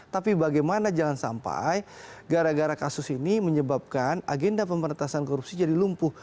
tapi bagaimana jangan sampai gara gara kasus ini menyebabkan agenda pemberantasan korupsi jadi lumpuh